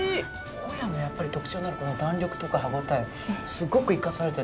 ホヤのやっぱり特徴のあるこの弾力とか歯応えもすごく生かされてて。